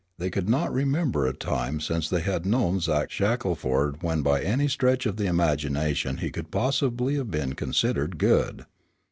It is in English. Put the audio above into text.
They could not remember a time since they had known Zach Shackelford when by any stretch of imagination he could possibly have been considered good.